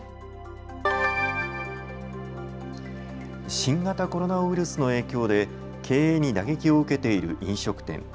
新型コロナウイルスの影響で経営に打撃を受けている飲食店。